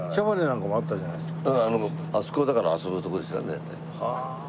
うんあのあそこだから遊ぶとこですよね。